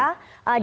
ini lampu kuning